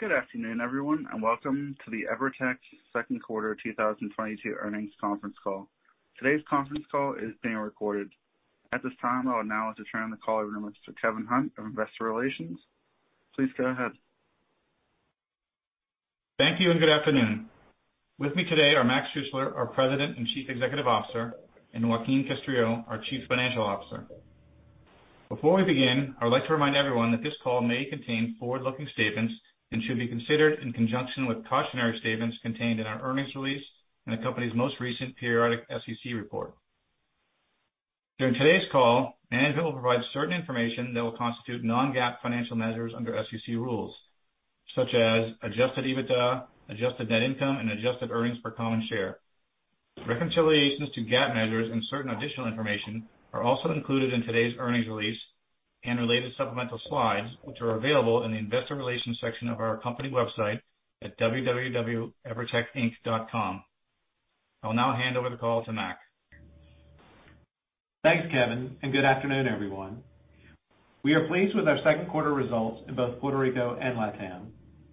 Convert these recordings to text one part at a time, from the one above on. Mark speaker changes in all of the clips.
Speaker 1: Good afternoon, everyone, and welcome to the EVERTEC Second Quarter 2022 Earnings Conference Call. Today's conference call is being recorded. At this time, I would now like to turn the call over to Mr. Kevin Hunt of Investor Relations. Please go ahead.
Speaker 2: Thank you, and good afternoon. With me today are Mac Schuessler, our President and Chief Executive Officer, and Joaquín Castrillo, our Chief Financial Officer. Before we begin, I would like to remind everyone that this call may contain forward-looking statements and should be considered in conjunction with cautionary statements contained in our earnings release and the company's most recent periodic SEC report. During today's call, management will provide certain information that will constitute non-GAAP financial measures under SEC rules, such as adjusted EBITDA, adjusted net income, and adjusted earnings per common share. Reconciliations to GAAP measures and certain additional information are also included in today's earnings release and related supplemental slides, which are available in the Investor Relations section of our company website at www.evertecinc.com. I'll now hand over the call to Mac.
Speaker 3: Thanks, Kevin, and good afternoon, everyone. We are pleased with our second quarter results in both Puerto Rico and LatAm,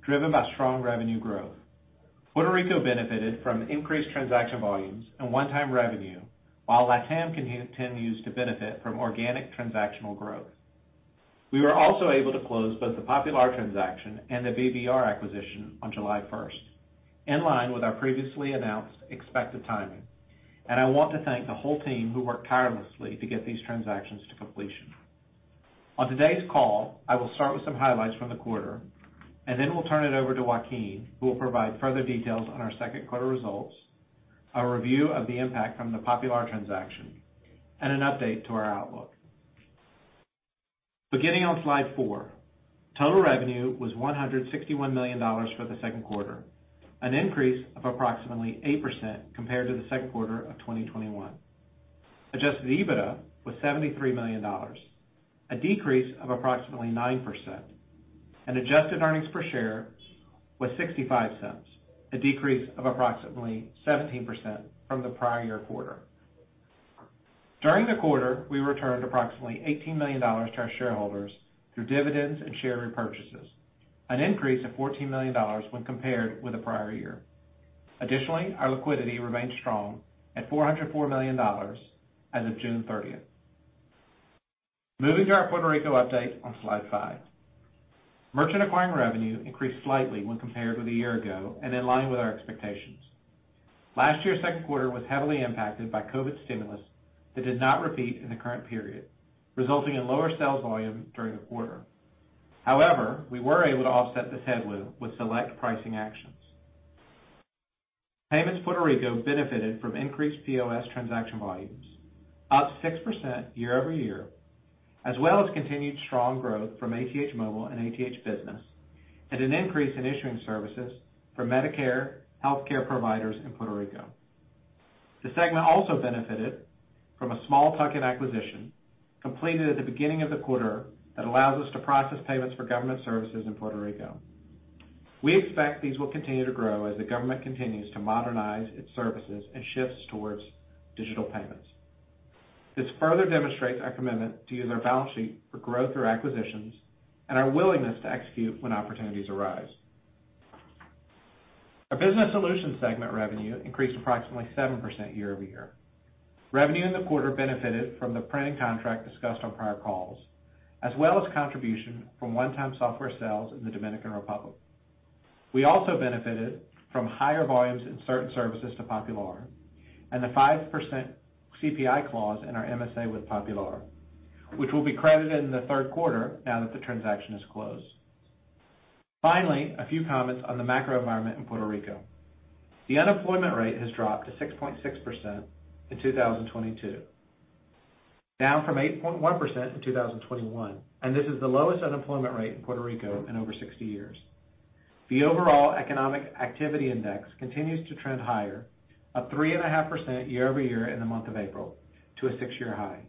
Speaker 3: driven by strong revenue growth. Puerto Rico benefited from increased transaction volumes and one-time revenue, while LatAm continued to benefit from organic transactional growth. We were also able to close both the Popular transaction and the BBR acquisition on July 1st, in line with our previously announced expected timing, and I want to thank the whole team who worked tirelessly to get these transactions to completion. On today's call, I will start with some highlights from the quarter, and then we'll turn it over to Joaquín, who will provide further details on our second quarter results, a review of the impact from the Popular transaction, and an update to our outlook. Beginning on slide four. Total revenue was $161 million for the second quarter, an increase of approximately 8% compared to the second quarter of 2021. Adjusted EBITDA was $73 million, a decrease of approximately 9%, and adjusted earnings per share was $0.65, a decrease of approximately 17% from the prior year quarter. During the quarter, we returned approximately $18 million to our shareholders through dividends and share repurchases, an increase of $14 million when compared with the prior year. Additionally, our liquidity remains strong at $404 million as of June 30th. Moving to our Puerto Rico update on slide five. Merchant acquiring revenue increased slightly when compared with a year ago and in line with our expectations. Last year's second quarter was heavily impacted by COVID stimulus that did not repeat in the current period, resulting in lower sales volume during the quarter. However, we were able to offset this headwind with select pricing actions. Payments Puerto Rico benefited from increased POS transaction volumes, up 6% year-over-year, as well as continued strong growth from ATH Móvil and ATH Business, and an increase in issuing services for Medicare healthcare providers in Puerto Rico. The segment also benefited from a small tuck-in acquisition completed at the beginning of the quarter that allows us to process payments for government services in Puerto Rico. We expect these will continue to grow as the government continues to modernize its services and shifts towards digital payments. This further demonstrates our commitment to use our balance sheet for growth through acquisitions and our willingness to execute when opportunities arise. Our business solutions segment revenue increased approximately 7% year-over-year. Revenue in the quarter benefited from the printing contract discussed on prior calls, as well as contribution from one-time software sales in the Dominican Republic. We also benefited from higher volumes in certain services to Popular and the 5% CPI clause in our MSA with Popular, which will be credited in the third quarter now that the transaction is closed. Finally, a few comments on the macro environment in Puerto Rico. The unemployment rate has dropped to 6.6% in 2022, down from 8.1% in 2021, and this is the lowest unemployment rate in Puerto Rico in over 60 years. The overall economic activity index continues to trend higher, up 3.5% year-over-year in the month of April to a six-year high.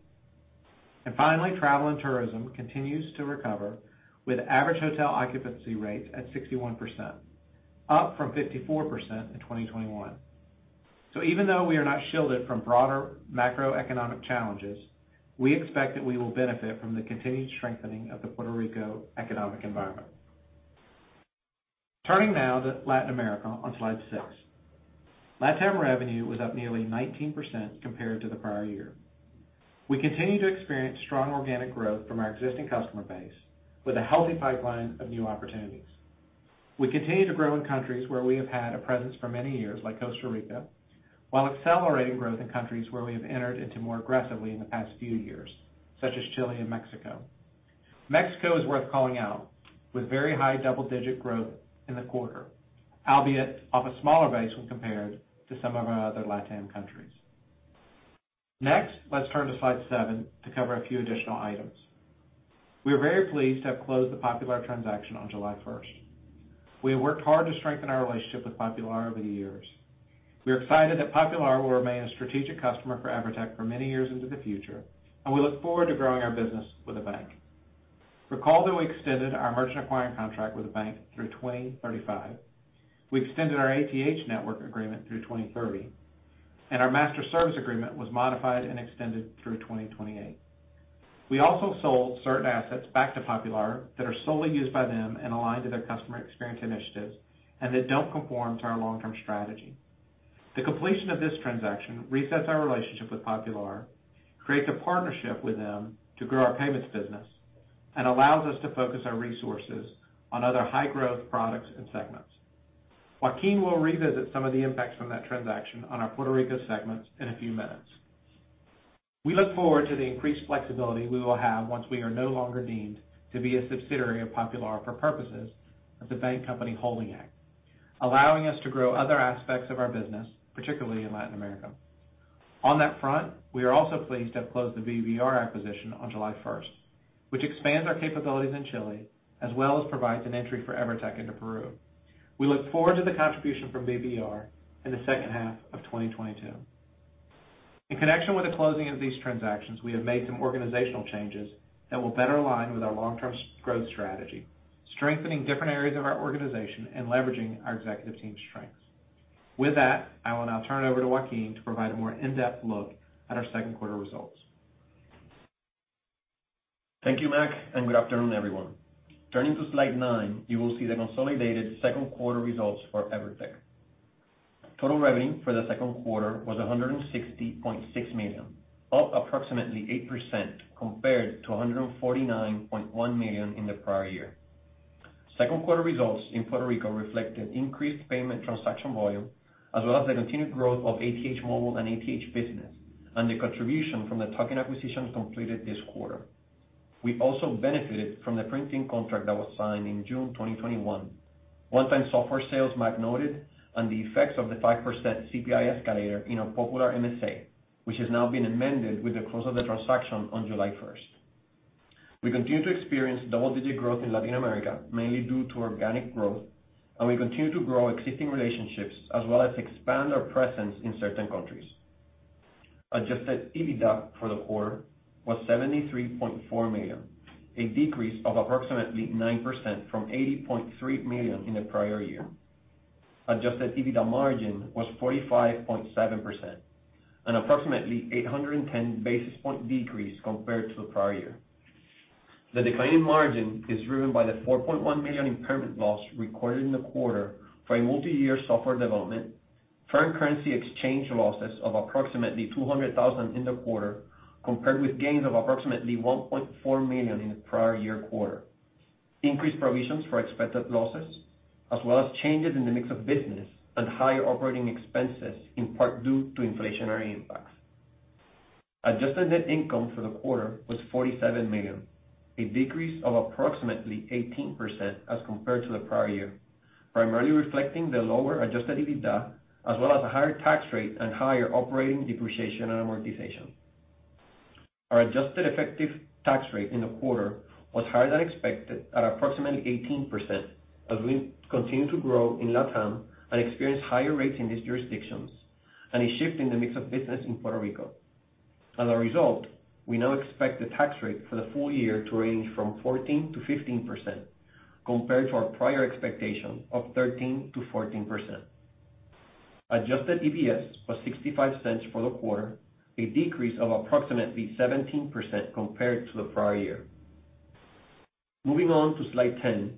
Speaker 3: Finally, travel and tourism continues to recover with average hotel occupancy rates at 61%, up from 54% in 2021. Even though we are not shielded from broader macroeconomic challenges, we expect that we will benefit from the continued strengthening of the Puerto Rico economic environment. Turning now to Latin America on slide six. LatAm revenue was up nearly 19% compared to the prior year. We continue to experience strong organic growth from our existing customer base with a healthy pipeline of new opportunities. We continue to grow in countries where we have had a presence for many years, like Costa Rica, while accelerating growth in countries where we have entered into more aggressively in the past few years, such as Chile and Mexico. Mexico is worth calling out with very high double-digit growth in the quarter, albeit off a smaller base when compared to some of our other LatAm countries. Next, let's turn to slide seven to cover a few additional items. We are very pleased to have closed the Popular transaction on July 1st. We have worked hard to strengthen our relationship with Popular over the years. We are excited that Popular will remain a strategic customer for EVERTEC for many years into the future, and we look forward to growing our business with the bank. Recall that we extended our merchant acquiring contract with the bank through 2035. We extended our ATH network agreement through 2030, and our master service agreement was modified and extended through 2028. We also sold certain assets back to Popular that are solely used by them and aligned to their customer experience initiatives, and that don't conform to our long-term strategy. The completion of this transaction resets our relationship with Popular, creates a partnership with them to grow our payments business, and allows us to focus our resources on other high-growth products and segments. Joaquín will revisit some of the impacts from that transaction on our Puerto Rico segments in a few minutes. We look forward to the increased flexibility we will have once we are no longer deemed to be a subsidiary of Popular for purposes of the Bank Holding Company Act, allowing us to grow other aspects of our business, particularly in Latin America. On that front, we are also pleased to have closed the BBR acquisition on July 1st, which expands our capabilities in Chile, as well as provides an entry for EVERTEC into Peru. We look forward to the contribution from BBR in the second half of 2022. In connection with the closing of these transactions, we have made some organizational changes that will better align with our long-term growth strategy, strengthening different areas of our organization and leveraging our executive team's strengths. With that, I will now turn it over to Joaquín to provide a more in-depth look at our second quarter results.
Speaker 4: Thank you, Mac, and good afternoon, everyone. Turning to slide nine, you will see the consolidated second quarter results for EVERTEC. Total revenue for the second quarter was $160.6 million, up approximately 8% compared to $149.1 million in the prior year. Second quarter results in Puerto Rico reflect an increased payment transaction volume, as well as the continued growth of ATH Móvil and ATH Business, and the contribution from the tuck-in acquisitions completed this quarter. We also benefited from the printing contract that was signed in June 2021. One-time software sales Mac noted. On the effects of the 5% CPI escalator in our Popular MSA, which has now been amended with the close of the transaction on July 1st. We continue to experience double-digit growth in Latin America, mainly due to organic growth, and we continue to grow existing relationships as well as expand our presence in certain countries. Adjusted EBITDA for the quarter was $73.4 million, a decrease of approximately 9% from $80.3 million in the prior year. Adjusted EBITDA margin was 45.7%, an approximately 810 basis point decrease compared to the prior year. The decline in margin is driven by the $4.1 million impairment loss recorded in the quarter for a multiyear software development, foreign currency exchange losses of approximately $200,000 in the quarter, compared with gains of approximately $1.4 million in the prior year quarter. Increased provisions for expected losses, as well as changes in the mix of business and higher operating expenses, in part due to inflationary impacts. Adjusted net income for the quarter was $47 million, a decrease of approximately 18% as compared to the prior year, primarily reflecting the lower adjusted EBITDA, as well as a higher tax rate and higher operating depreciation and amortization. Our adjusted effective tax rate in the quarter was higher than expected at approximately 18%, as we continue to grow in LatAm and experience higher rates in these jurisdictions, and a shift in the mix of business in Puerto Rico. As a result, we now expect the tax rate for the full year to range from 14%-15% compared to our prior expectation of 13%-14%. Adjusted EPS was $0.65 for the quarter, a decrease of approximately 17% compared to the prior year. Moving on to slide 10,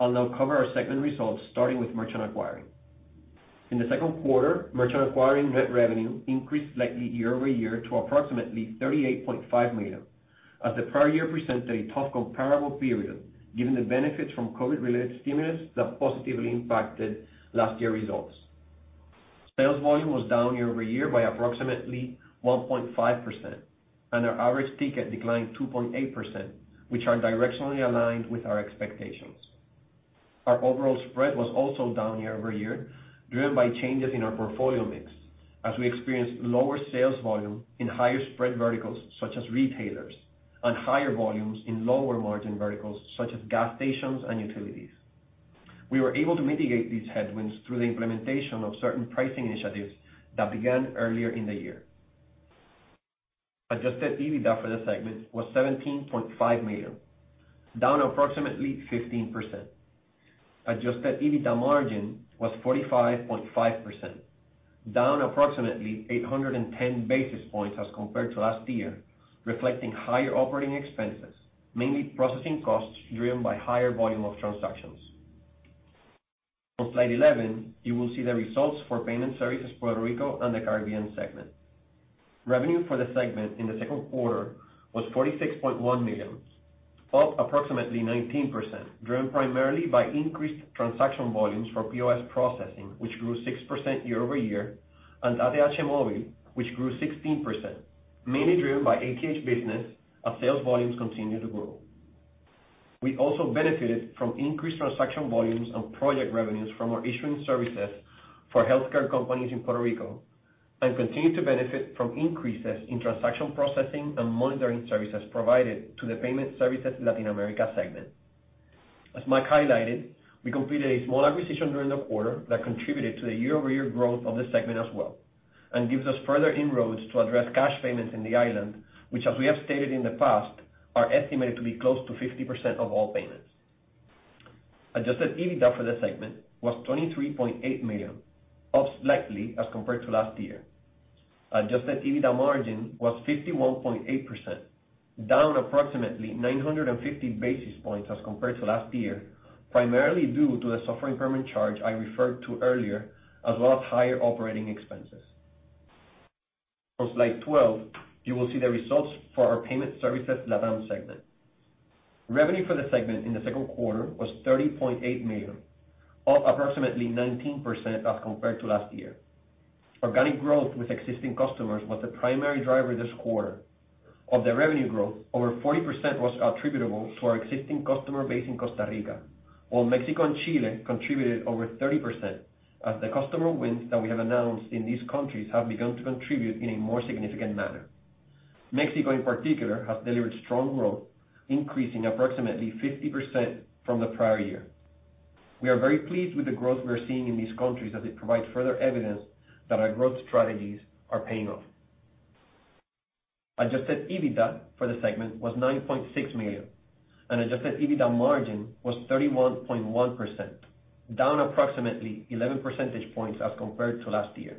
Speaker 4: I'll now cover our segment results, starting with merchant acquiring. In the second quarter, merchant acquiring net revenue increased slightly year-over-year to approximately $38.5 million, as the prior year presented a tough comparable period, given the benefits from COVID-related stimulus that positively impacted last year results. Sales volume was down year-over-year by approximately 1.5%, and our average ticket declined 2.8%, which are directionally aligned with our expectations. Our overall spread was also down year-over-year, driven by changes in our portfolio mix as we experienced lower sales volume in higher spread verticals such as retailers and higher volumes in lower margin verticals such as gas stations and utilities. We were able to mitigate these headwinds through the implementation of certain pricing initiatives that began earlier in the year. Adjusted EBITDA for the segment was $17.5 million, down approximately 15%. Adjusted EBITDA margin was 45.5%, down approximately 810 basis points as compared to last year, reflecting higher operating expenses, mainly processing costs driven by higher volume of transactions. On slide 11, you will see the results for Payment Services Puerto Rico and the Caribbean segment. Revenue for the segment in the second quarter was $46.1 million, up approximately 19%, driven primarily by increased transaction volumes for POS processing, which grew 6% year-over-year, and ATH Móvil, which grew 16%, mainly driven by ATH Business as sales volumes continue to grow. We also benefited from increased transaction volumes and project revenues from our issuing services for healthcare companies in Puerto Rico, and continue to benefit from increases in transaction processing and monitoring services provided to the Payment Services Latin America segment. As Mac highlighted, we completed a small acquisition during the quarter that contributed to the year-over-year growth of the segment as well, and gives us further inroads to address cash payments in the island, which, as we have stated in the past, are estimated to be close to 50% of all payments. Adjusted EBITDA for the segment was $23.8 million, up slightly as compared to last year. Adjusted EBITDA margin was 51.8%, down approximately 950 basis points as compared to last year, primarily due to the software impairment charge I referred to earlier, as well as higher operating expenses. On slide 12, you will see the results for our Payment Services Latin segment. Revenue for the segment in the second quarter was $30.8 million, up approximately 19% as compared to last year. Organic growth with existing customers was the primary driver this quarter. Of the revenue growth, over 40% was attributable to our existing customer base in Costa Rica. While Mexico and Chile contributed over 30% as the customer wins that we have announced in these countries have begun to contribute in a more significant manner. Mexico, in particular, has delivered strong growth, increasing approximately 50% from the prior year. We are very pleased with the growth we are seeing in these countries as it provides further evidence that our growth strategies are paying off. Adjusted EBITDA for the segment was $9.6 million, and adjusted EBITDA margin was 31.1%, down approximately 11 percentage points as compared to last year.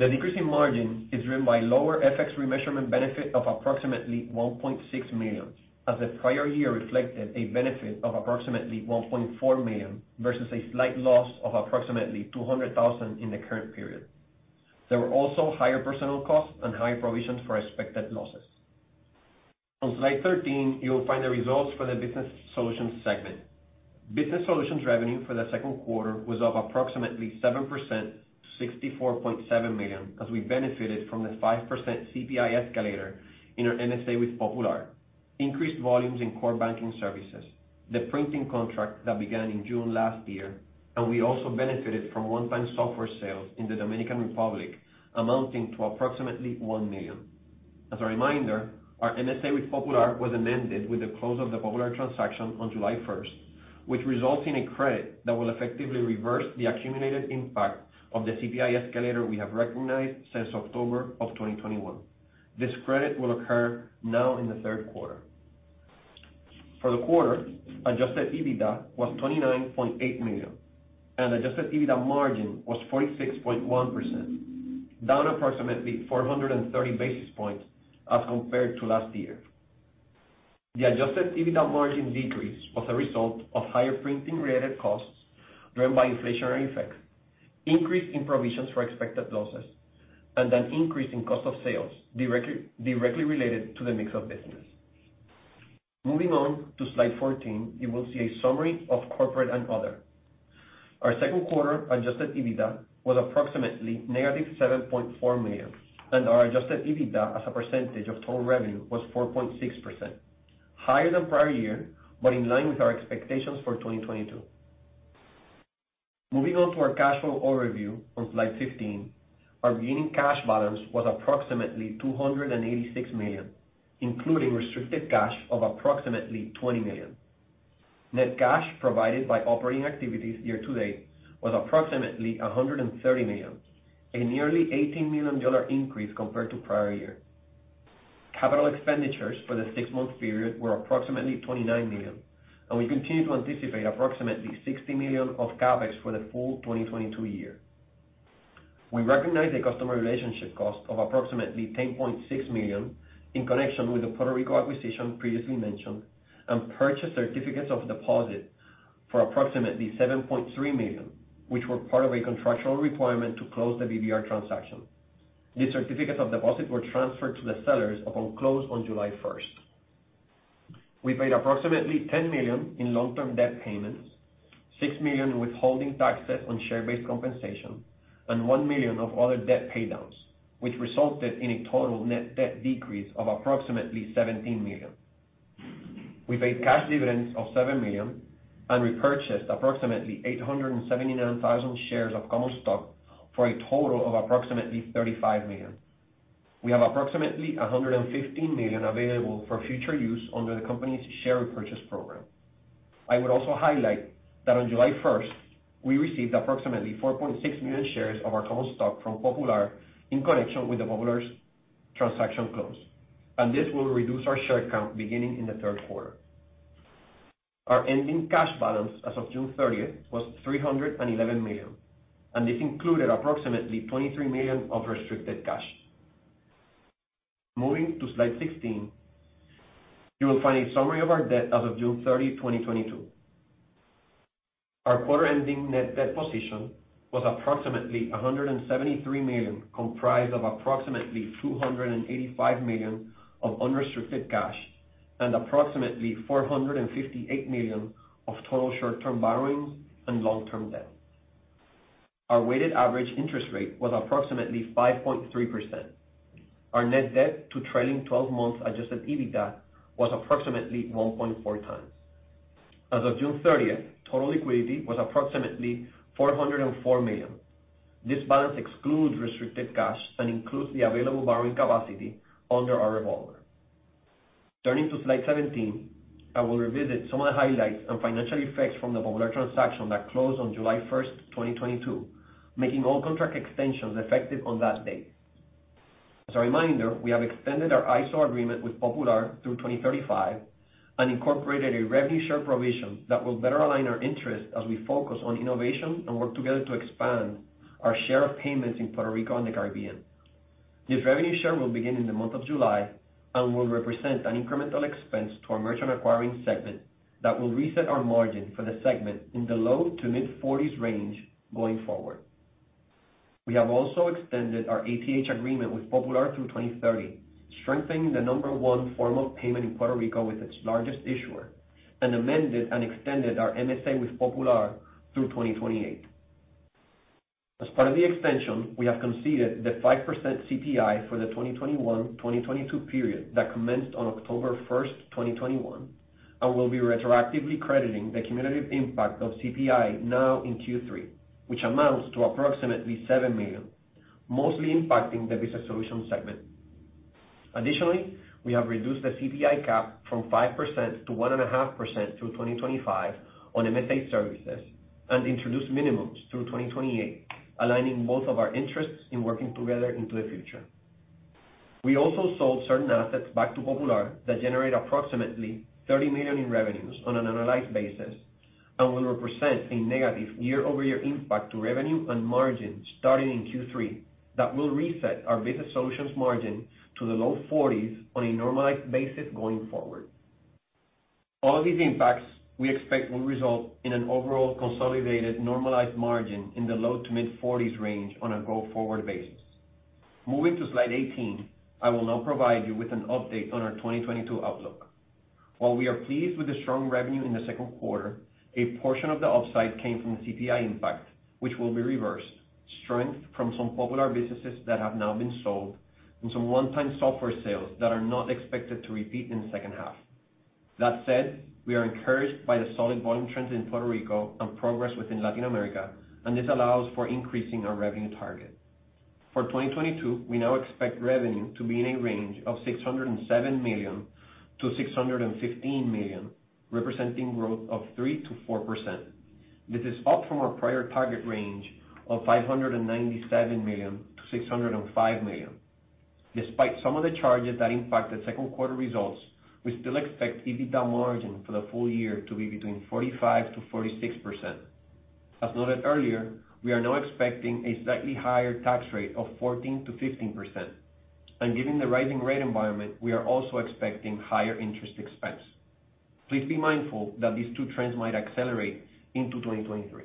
Speaker 4: The decrease in margin is driven by lower FX remeasurement benefit of approximately $1.6 million, as the prior year reflected a benefit of approximately $1.4 million versus a slight loss of approximately $200,000 in the current period. There were also higher personnel costs and higher provisions for expected losses. On slide 13, you will find the results for the Business Solutions segment. Business Solutions revenue for the second quarter was up approximately 7% to $64.7 million, as we benefited from the 5% CPI escalator in our MSA with Popular, increased volumes in core banking services, the printing contract that began in June last year, and we also benefited from one-time software sales in the Dominican Republic amounting to approximately $1 million. As a reminder, our MSA with Popular was amended with the close of the Popular transaction on July 1st, which results in a credit that will effectively reverse the accumulated impact of the CPI escalator we have recognized since October of 2021. This credit will occur now in the third quarter. For the quarter, adjusted EBITDA was $29.8 million, and adjusted EBITDA margin was 46.1%, down approximately 430 basis points as compared to last year. The adjusted EBITDA margin decrease was a result of higher printing-related costs driven by inflationary effects, increase in provisions for expected losses, and an increase in cost of sales directly related to the mix of business. Moving on to slide 14, you will see a summary of corporate and other. Our second quarter adjusted EBITDA was approximately -$7.4 million, and our adjusted EBITDA as a percentage of total revenue was 4.6%. Higher than prior year, but in line with our expectations for 2022. Moving on to our cash flow overview on slide 15. Our beginning cash balance was approximately $286 million, including restricted cash of approximately $20 million. Net cash provided by operating activities year to date was approximately $130 million, a nearly $18 million increase compared to prior year. Capital expenditures for the six-month period were approximately $29 million, and we continue to anticipate approximately $60 million of CapEx for the full 2022 year. We recognize the customer relationship cost of approximately $10.6 million in connection with the Puerto Rico acquisition previously mentioned, and purchase certificates of deposit for approximately $7.3 million, which were part of a contractual requirement to close the BBR transaction. These certificates of deposit were transferred to the sellers upon close on July 1. We paid approximately $10 million in long-term debt payments, $6 million in withholding taxes on share-based compensation, and $1 million of other debt pay downs, which resulted in a total net debt decrease of approximately $17 million. We paid cash dividends of $7 million and repurchased approximately 879,000 shares of common stock for a total of approximately $35 million. We have approximately $115 million available for future use under the company's share repurchase program. I would also highlight that on July 1st, we received approximately 4.6 million shares of our common stock from Popular in connection with the Popular's transaction close, and this will reduce our share count beginning in the third quarter. Our ending cash balance as of June 30th was $311 million, and this included approximately $23 million of restricted cash. Moving to slide 16, you will find a summary of our debt as of June 30, 2022. Our quarter-ending net debt position was approximately $173 million, comprised of approximately $285 million of unrestricted cash and approximately $458 million of total short-term borrowings and long-term debt. Our weighted average interest rate was approximately 5.3%. Our net debt to trailing 12 months adjusted EBITDA was approximately 1.4x. As of June 30th, total liquidity was approximately $404 million. This balance excludes restricted cash and includes the available borrowing capacity under our revolver. Turning to slide 17, I will revisit some of the highlights on financial effects from the Popular transaction that closed on July 1st, 2022, making all contract extensions effective on that date. As a reminder, we have extended our ISO agreement with Popular through 2035 and incorporated a revenue share provision that will better align our interest as we focus on innovation and work together to expand our share of payments in Puerto Rico and the Caribbean. This revenue share will begin in the month of July and will represent an incremental expense to our merchant acquiring segment that will reset our margin for the segment in the low-to-mid 40s range going forward. We have also extended our ATH agreement with Popular through 2030, strengthening the number one form of payment in Puerto Rico with its largest issuer, and amended and extended our MSA with Popular through 2028. As part of the extension, we have conceded the 5% CPI for the 2021, 2022 period that commenced on October 1st, 2021, and will be retroactively crediting the cumulative impact of CPI now in Q3, which amounts to approximately $7 million, mostly impacting the Business Solutions segment. Additionally, we have reduced the CPI cap from 5% to 1.5% through 2025 on MSA services and introduced minimums through 2028, aligning both of our interests in working together into the future. We also sold certain assets back to Popular that generate approximately $30 million in revenues on an annualized basis and will represent a negative year-over-year impact to revenue and margin starting in Q3 that will reset our Business Solutions margin to the low 40s on a normalized basis going forward. All of these impacts we expect will result in an overall consolidated normalized margin in the low-to-mid-40s range on a go-forward basis. Moving to slide 18, I will now provide you with an update on our 2022 outlook. While we are pleased with the strong revenue in the second quarter, a portion of the upside came from the CPI impact, which will be reversed, strength from some Popular businesses that have now been sold, and some one-time software sales that are not expected to repeat in the second half. That said, we are encouraged by the solid volume trends in Puerto Rico and progress within Latin America, and this allows for increasing our revenue target. For 2022, we now expect revenue to be in a range of $607 million-$615 million, representing growth of 3%-4%. This is up from our prior target range of $597 million-$605 million. Despite some of the charges that impacted second quarter results, we still expect EBITDA margin for the full year to be between 45%-46%. As noted earlier, we are now expecting a slightly higher tax rate of 14%-15%. Given the rising rate environment, we are also expecting higher interest expense. Please be mindful that these two trends might accelerate into 2023.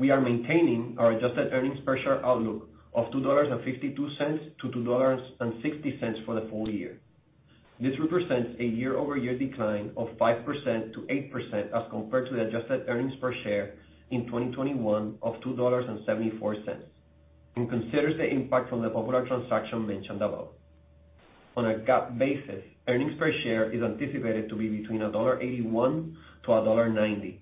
Speaker 4: We are maintaining our adjusted earnings per share outlook of $2.52-$2.60 for the full year. This represents a year-over-year decline of 5%-8% as compared to the adjusted earnings per share in 2021 of $2.74, and considers the impact from the Popular transaction mentioned above. On a GAAP basis, earnings per share is anticipated to be between $1.81-$1.90.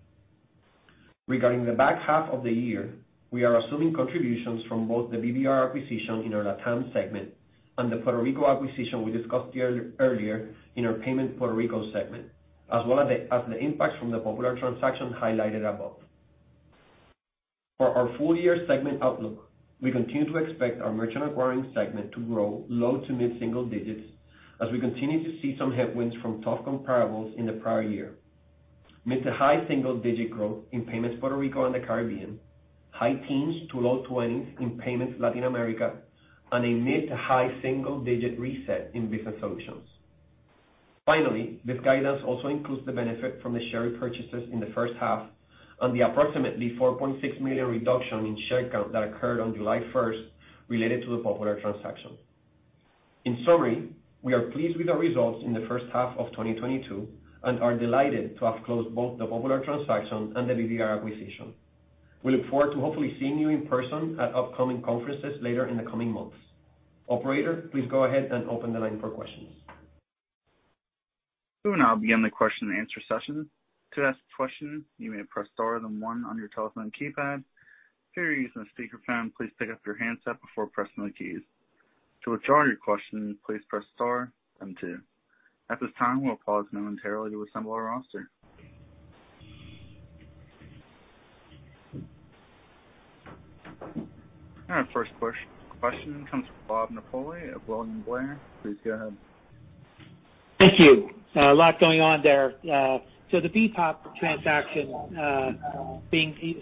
Speaker 4: Regarding the back half of the year, we are assuming contributions from both the BBR acquisition in our LATAM segment and the Puerto Rico acquisition we discussed earlier in our Payments Puerto Rico segment, as well as the impacts from the Popular transaction highlighted above. For our full year segment outlook, we continue to expect our merchant acquiring segment to grow low- to mid-single-digit % as we continue to see some headwinds from tough comparables in the prior year. Mid-to-high single-digit growth in Payments Puerto Rico and the Caribbean, high teens to low 20s in Payments Latin America, and a mid-to-high single-digit reset in Business Solutions. Finally, this guidance also includes the benefit from the share repurchases in the first half and the approximately 4.6 million reduction in share count that occurred on July 1st related to the Popular transaction. In summary, we are pleased with the results in the first half of 2022 and are delighted to have closed both the Popular transaction and the BBR acquisition. We look forward to hopefully seeing you in person at upcoming conferences later in the coming months. Operator, please go ahead and open the line for questions.
Speaker 1: We will now begin the question and answer session. To ask a question, you may press star then one on your telephone keypad. If you are using a speakerphone, please pick up your handset before pressing the keys. To withdraw your question, please press star then two. At this time, we'll pause momentarily to assemble our questioners. Our first question comes from Robert Napoli of William Blair. Please go ahead.
Speaker 5: Thank you. A lot going on there. The BPOP transaction.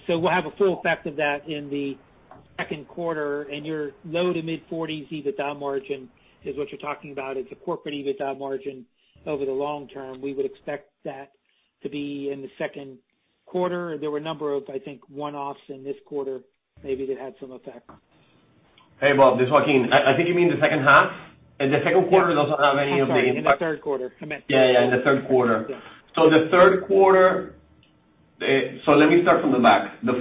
Speaker 5: We'll have a full effect of that in the second quarter and your low-to-mid-40s EBITDA margin is what you're talking about. It's a corporate EBITDA margin over the long term. We would expect that to be in the second quarter. There were a number of, I think, one-offs in this quarter maybe that had some effect.
Speaker 4: Hey, Bob. This is Joaquín. I think you mean the second half. In the second quarter doesn't have any of the-
Speaker 5: I'm sorry. In the third quarter.
Speaker 4: ...in the third quarter, let me start from the back. The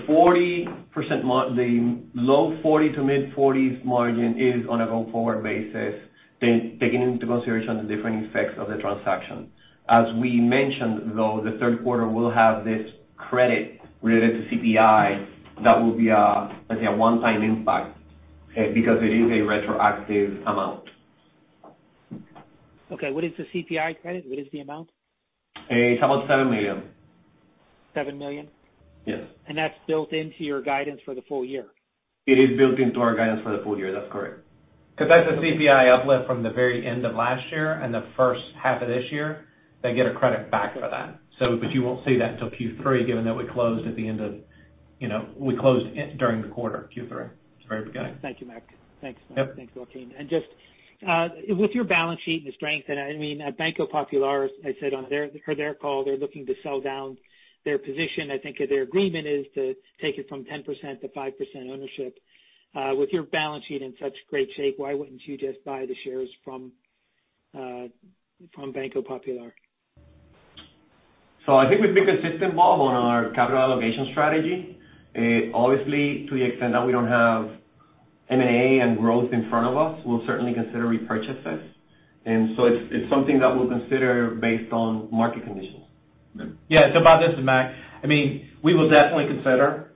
Speaker 4: low-40 to mid-40 margin is on a go-forward basis, taking into consideration the different effects of the transaction. As we mentioned, though, the third quarter will have this credit related to CPI that will be, let's say, a one-time impact because it is a retroactive.
Speaker 5: Okay. What is the CPI credit? What is the amount?
Speaker 4: It's about $7 million.
Speaker 5: $7 million?
Speaker 4: Yes.
Speaker 5: That's built into your guidance for the full year?
Speaker 4: It is built into our guidance for the full year. That's correct.
Speaker 3: That's a CPI uplift from the very end of last year and the first half of this year. They get a credit back for that. But you won't see that until Q3, given that we closed during the quarter, Q3. It's very beginning.
Speaker 5: Thank you, Mac. Thanks.
Speaker 3: Yep.
Speaker 5: Thanks, Joaquín. Just with your balance sheet and the strength, and I mean, at Banco Popular, they said on their call, they're looking to sell down their position. I think their agreement is to take it from 10%-5% ownership. With your balance sheet in such great shape, why wouldn't you just buy the shares from Banco Popular?
Speaker 4: I think we've been consistent, Bob, on our capital allocation strategy. Obviously, to the extent that we don't have M&A and growth in front of us, we'll certainly consider repurchases. It's something that we'll consider based on market conditions.
Speaker 3: Yeah. Bob, this is Mac. I mean, we will definitely consider,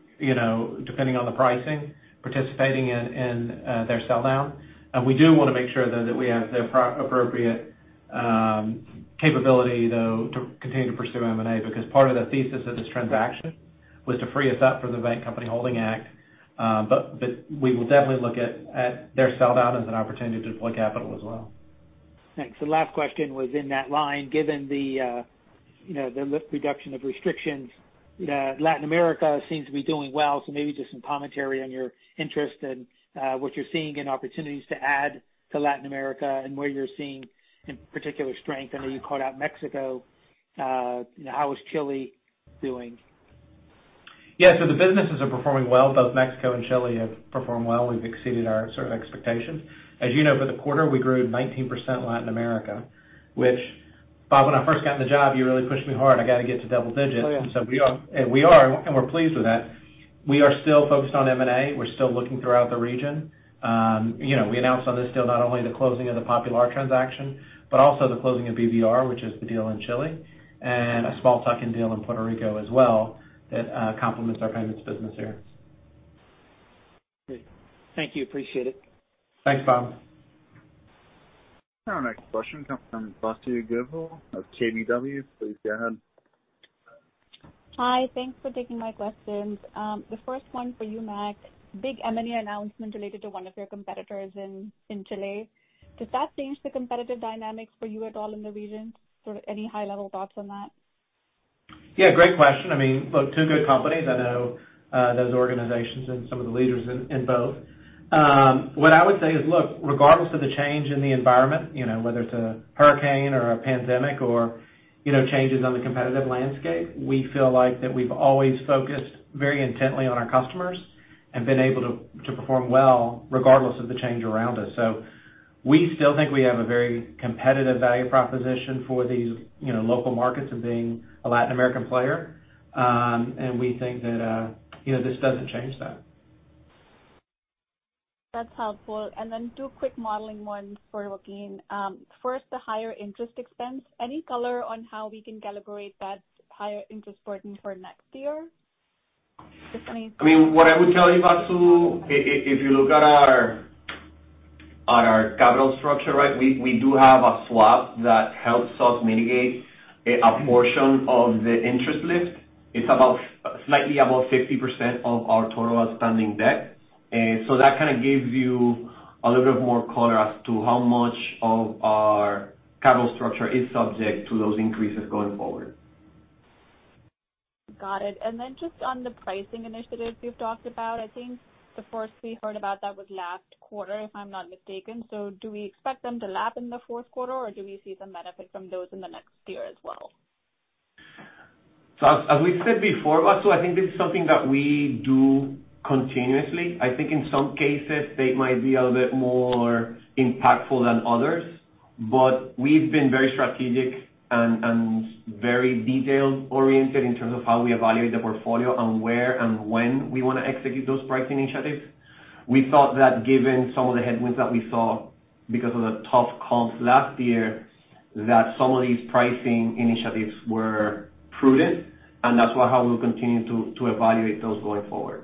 Speaker 3: depending on the pricing, participating in their sell down. We do wanna make sure though that we have the appropriate capability though to continue to pursue M&A because part of the thesis of this transaction was to free us up for the Bank Holding Company Act. We will definitely look at their sell down as an opportunity to deploy capital as well.
Speaker 5: Thanks. The last question was in that line. Given the, you know, the reduction of restrictions, Latin America seems to be doing well. Maybe just some commentary on your interest and, what you're seeing in opportunities to add to Latin America and where you're seeing in particular strength. I know you called out Mexico. How is Chile doing?
Speaker 3: Yeah. The businesses are performing well. Both Mexico and Chile have performed well. We've exceeded our sort of expectations. As you know, for the quarter, we grew 19% Latin America, which, Bob, when I first got in the job, you really pushed me hard. I gotta get to double digits.
Speaker 5: Oh, yeah.
Speaker 3: We're pleased with that. We are still focused on M&A. We're still looking throughout the region. You know, we announced on this deal not only the closing of the Popular transaction, but also the closing of BBR, which is the deal in Chile, and a small tuck-in deal in Puerto Rico as well that complements our payments business there.
Speaker 5: Great. Thank you. Appreciate it.
Speaker 3: Thanks, Bob.
Speaker 1: Our next question comes from Vasundhara Govil of KBW. Please go ahead.
Speaker 6: Hi. Thanks for taking my questions. The first one for you, Mac. Big M&A announcement related to one of your competitors in Chile. Does that change the competitive dynamics for you at all in the region? Sort of any high level thoughts on that?
Speaker 3: Yeah, great question. I mean, look, two good companies. I know those organizations and some of the leaders in both. What I would say is, look, regardless of the change in the environment, you know, whether it's a hurricane or a pandemic or, you know, changes on the competitive landscape, we feel like that we've always focused very intently on our customers and been able to perform well regardless of the change around us. We still think we have a very competitive value proposition for these, you know, local markets and being a Latin American player. And we think that, you know, this doesn't change that.
Speaker 6: That's helpful. Two quick modeling ones for Joaquín. First, the higher interest expense. Any color on how we can calibrate that higher interest burden for next year? Just any-
Speaker 4: I mean, what I would tell you, Vasu, if you look at our capital structure, right, we do have a swap that helps us mitigate a portion of the interest rate. It's about slightly above 60% of our total outstanding debt. That kind of gives you a little bit more color as to how much of our capital structure is subject to those increases going forward.
Speaker 6: Got it. Just on the pricing initiatives you've talked about, I think the first we heard about that was last quarter, if I'm not mistaken. Do we expect them to lap in the fourth quarter, or do we see some benefit from those in the next year as well?
Speaker 4: As we said before, Vasu, I think this is something that we do continuously. I think in some cases they might be a little bit more impactful than others. We've been very strategic and very detail-oriented in terms of how we evaluate the portfolio and where and when we wanna execute those pricing initiatives. We thought that given some of the headwinds that we saw because of the tough comps last year, that some of these pricing initiatives were prudent, and that's why how we'll continue to evaluate those going forward.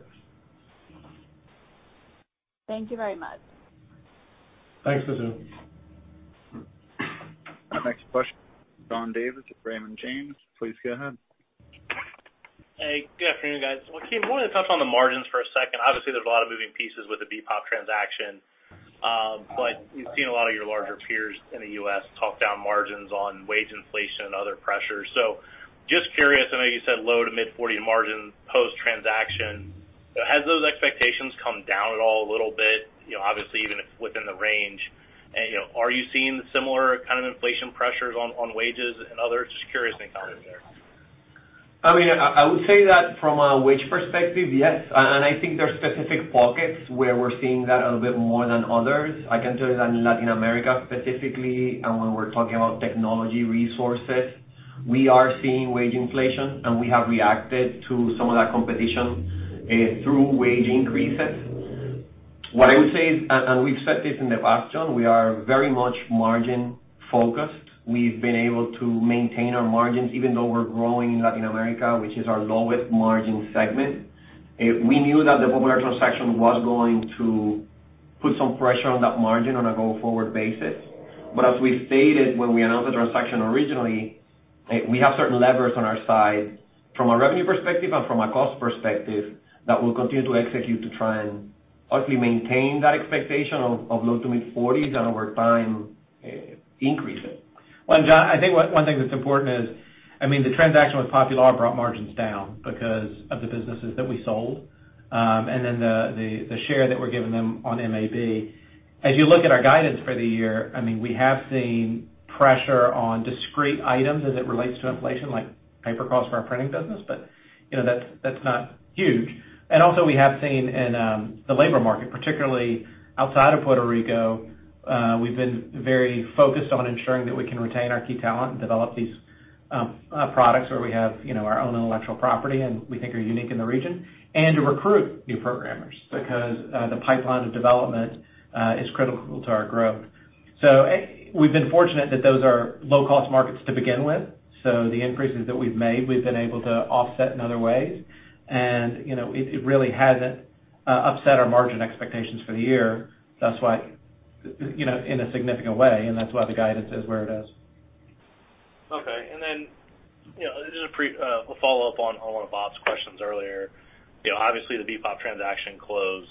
Speaker 6: Thank you very much.
Speaker 3: Thanks, Vasu.
Speaker 1: Our next question, John Davis of Raymond James. Please go ahead.
Speaker 7: Hey, good afternoon, guys. Joaquín, I wanna touch on the margins for a second. Obviously, there's a lot of moving pieces with the BPOP transaction. We've seen a lot of your larger peers in the U.S. talk down margins on wage inflation and other pressures. Just curious, I know you said low-to-mid-40 margins post-transaction. Has those expectations come down at all a little bit? You know, obviously, even if within the range. You know, are you seeing similar kind of inflation pressures on wages and others? Just curious, any comment there.
Speaker 4: I mean, I would say that from a wage perspective, yes. I think there are specific pockets where we're seeing that a little bit more than others. I can tell you that in Latin America specifically, and when we're talking about technology resources, we are seeing wage inflation, and we have reacted to some of that competition through wage increases. What I would say is, and we've said this in the past, John, we are very much margin-focused. We've been able to maintain our margins even though we're growing in Latin America, which is our lowest margin segment. We knew that the Popular transaction was going to put some pressure on that margin on a go-forward basis. As we stated when we announced the transaction originally, we have certain levers on our side from a revenue perspective and from a cost perspective that we'll continue to execute to try and hopefully maintain that expectation of low-to-mid-40s and over time, increase it.
Speaker 3: Well, John, I think one thing that's important is, I mean, the transaction with Popular brought margins down because of the businesses that we sold, and then the share that we're giving them on MAB. As you look at our guidance for the year, I mean, we have seen pressure on discrete items as it relates to inflation, like paper costs for our printing business, but, you know, that's not huge. Also we have seen in the labor market, particularly outside of Puerto Rico, we've been very focused on ensuring that we can retain our key talent and develop these products where we have, you know, our own intellectual property and we think are unique in the region, and to recruit new programmers because the pipeline of development is critical to our growth. We've been fortunate that those are low-cost markets to begin with. The increases that we've made, we've been able to offset in other ways. You know, it really hasn't upset our margin expectations for the year. That's why. You know, in a significant way, and that's why the guidance is where it is.
Speaker 7: Okay. You know, just a follow-up on one of Bob's questions earlier. You know, obviously the BPOP transaction closed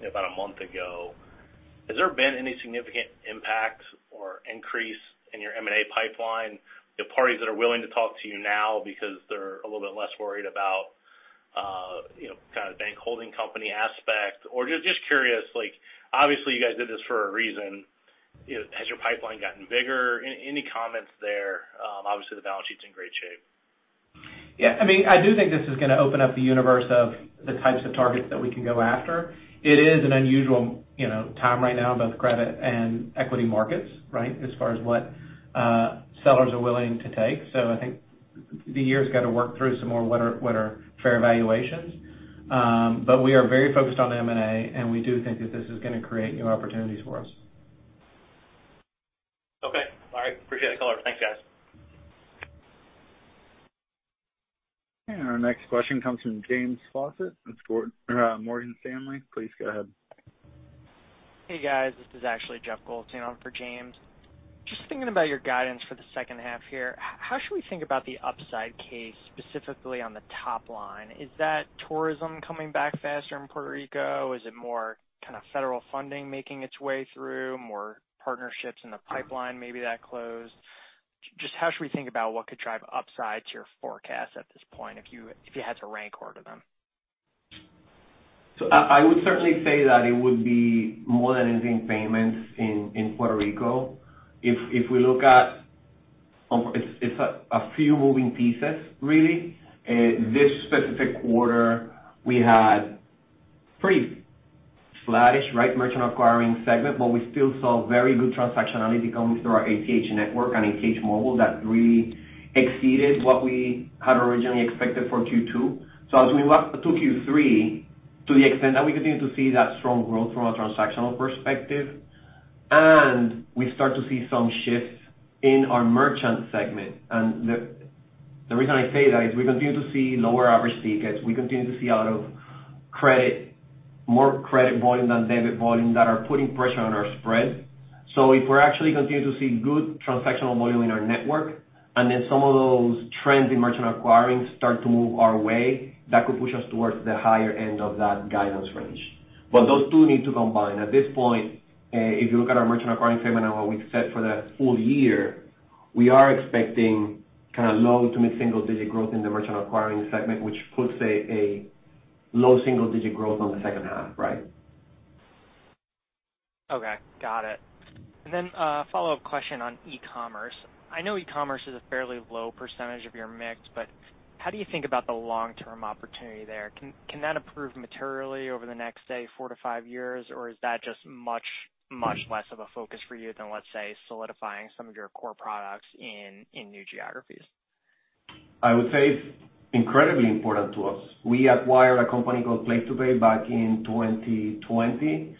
Speaker 7: about a month ago. Has there been any significant impact or increase in your M&A pipeline? The parties that are willing to talk to you now because they're a little bit less worried about, kind of bank holding company aspect? Or just curious, like, obviously you guys did this for a reason. You know, has your pipeline gotten bigger? Any comments there? Obviously the balance sheet's in great shape.
Speaker 3: Yeah, I mean, I do think this is gonna open up the universe of the types of targets that we can go after. It is an unusual, you know, time right now in both credit and equity markets, right, as far as what sellers are willing to take. I think the year's got to work through some more what are fair valuations. We are very focused on M&A, and we do think that this is gonna create new opportunities for us.
Speaker 7: Okay. All right. Appreciate the color. Thanks, guys.
Speaker 1: Our next question comes from James Fawcett with Morgan Stanley. Please go ahead.
Speaker 8: Hey, guys, this is actually Jeff Goldstein on for James. Just thinking about your guidance for the second half here. How should we think about the upside case, specifically on the top line? Is that tourism coming back faster in Puerto Rico? Is it more kind of federal funding making its way through, more partnerships in the pipeline, maybe that closed? Just how should we think about what could drive upside to your forecast at this point if you had to rank order them?
Speaker 4: I would certainly say that it would be more than anything payments in Puerto Rico. If we look at. It's a few moving pieces really. This specific quarter, we had pretty flattish, right, merchant acquiring segment, but we still saw very good transactionality coming through our ATH network and ATH Móvil that really exceeded what we had originally expected for Q2. As we move up to Q3, to the extent that we continue to see that strong growth from a transactional perspective, and we start to see some shifts in our merchant segment. The reason I say that is we continue to see lower average tickets. We continue to see out of credit, more credit volume than debit volume that are putting pressure on our spread. If we're actually continuing to see good transactional volume in our network, and then some of those trends in merchant acquiring start to move our way, that could push us towards the higher end of that guidance range. Those two need to combine. At this point, if you look at our merchant acquiring segment and what we've set for the full year, we are expecting kind of low to mid-single digit growth in the merchant acquiring segment, which puts a low single digit growth on the second half, right?
Speaker 8: Okay. Got it. A follow-up question on e-commerce. I know e-commerce is a fairly low percentage of your mix, but how do you think about the long-term opportunity there? Can that improve materially over the next, say, four to five years? Or is that just much, much less of a focus for you than, let's say, solidifying some of your core products in new geographies?
Speaker 4: I would say it's incredibly important to us. We acquired a company called PlacetoPay back in 2020.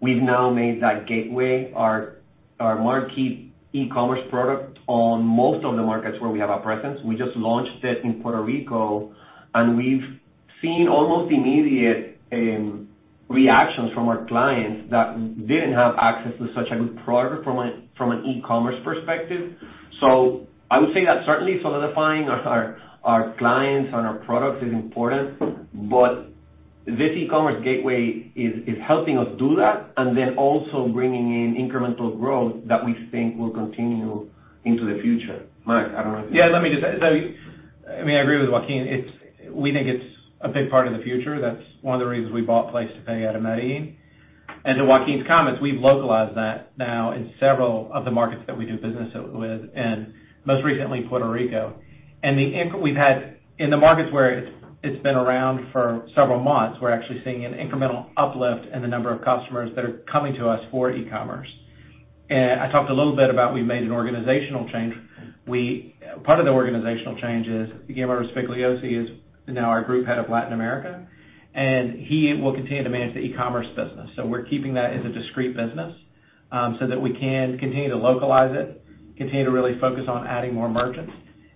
Speaker 4: We've now made that gateway our marquee e-commerce product on most of the markets where we have a presence. We just launched it in Puerto Rico, and we've seen almost immediate reactions from our clients that didn't have access to such a good product from an e-commerce perspective. I would say that certainly solidifying our clients and our products is important. But this e-commerce gateway is helping us do that, and then also bringing in incremental growth that we think will continue into the future. Mike, I don't know if you-
Speaker 3: I mean, I agree with Joaquín. We think it's a big part of the future. That's one of the reasons we bought PlacetoPay out of Medellín. To Joaquín's comments, we've localized that now in several of the markets that we do business with, and most recently Puerto Rico. In the markets where it's been around for several months, we're actually seeing an incremental uplift in the number of customers that are coming to us for e-commerce. I talked a little bit about we made an organizational change. Part of the organizational change is Guillermo Rospigliosi is now our Group Head of Latin America, and he will continue to manage the e-commerce business. We're keeping that as a discrete business, so that we can continue to localize it, continue to really focus on adding more merchants,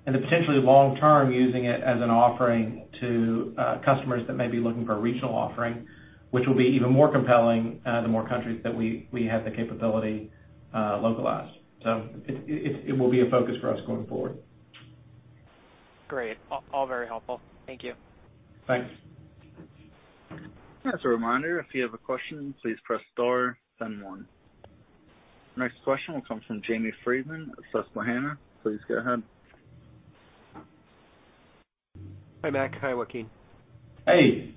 Speaker 3: and then potentially long term using it as an offering to customers that may be looking for a regional offering, which will be even more compelling, the more countries that we have the capability, localized. It will be a focus for us going forward.
Speaker 8: Great. All very helpful. Thank you.
Speaker 3: Thanks.
Speaker 1: As a reminder, if you have a question, please press star then one. Next question will come from James Friedman of Susquehanna. Please go ahead.
Speaker 9: Hi, Mac. Hi, Joaquín.
Speaker 3: Hey.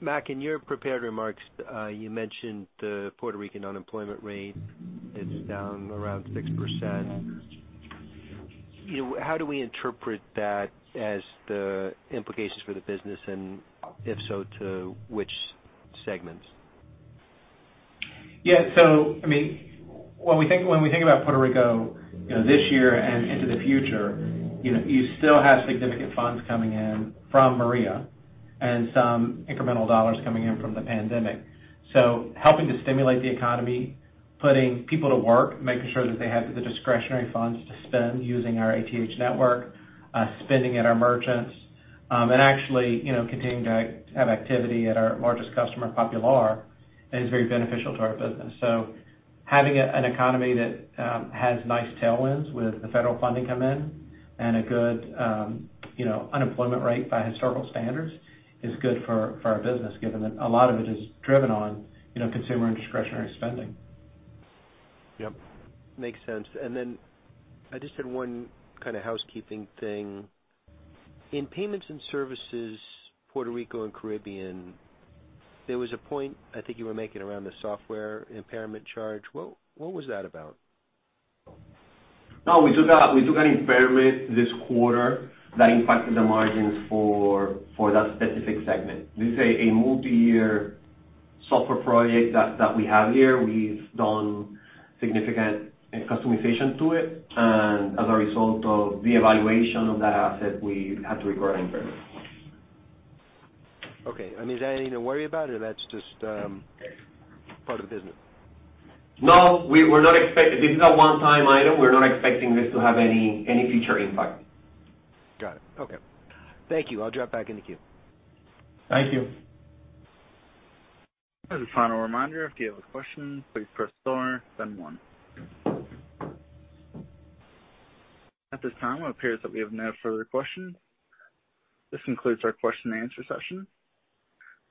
Speaker 9: Mac, in your prepared remarks, you mentioned the Puerto Rican unemployment rate is down around 6%. You know, how do we interpret that as the implications for the business, and if so, to which segments?
Speaker 3: Yeah. I mean, when we think about Puerto Rico, you know, this year and into the future, you know, you still have significant funds coming in from Hurricane Maria and some incremental dollars coming in from the pandemic. Helping to stimulate the economy, putting people to work, making sure that they have the discretionary funds to spend using our ATH network, spending at our merchants, and actually, you know, continuing to have activity at our largest customer, Popular, is very beneficial to our business. Having an economy that has nice tailwinds with the federal funding come in and a good, you know, unemployment rate by historical standards is good for our business, given that a lot of it is driven on, you know, consumer and discretionary spending.
Speaker 9: Yep. Makes sense. I just had one kind of housekeeping thing. In payments and services, Puerto Rico and Caribbean, there was a point I think you were making around the software impairment charge. What was that about?
Speaker 4: No, we took an impairment this quarter that impacted the margins for that specific segment. This is a multi-year software project that we have here. We've done significant customization to it. As a result of the evaluation of that asset, we had to record an impairment.
Speaker 9: Okay. I mean, is that anything to worry about or that's just part of the business?
Speaker 4: No, we're not. This is a one-time item. We're not expecting this to have any future impact.
Speaker 9: Got it. Okay. Thank you. I'll drop back in the queue.
Speaker 3: Thank you.
Speaker 1: As a final reminder, if you have a question, please press star then one. At this time, it appears that we have no further questions. This concludes our question and answer session.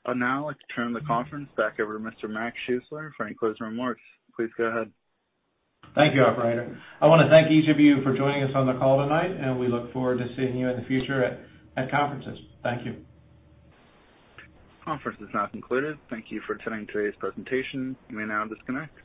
Speaker 1: I'd now like to turn the conference back over to Mr. Mac Schuessler for any closing remarks. Please go ahead.
Speaker 3: Thank you, operator. I wanna thank each of you for joining us on the call tonight, and we look forward to seeing you in the future at conferences. Thank you.
Speaker 1: Conference is now concluded. Thank you for attending today's presentation. You may now disconnect.